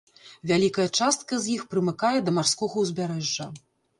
Вялікая частка з іх прымыкае да марскога ўзбярэжжа.